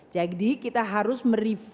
jadi kita harus mereform ekonomi kita